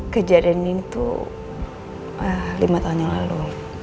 kejadian ini tuh lima tahun yang lalu